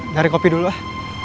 jari kopi dulu lah